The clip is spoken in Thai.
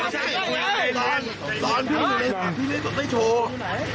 ที่จะได้โชว์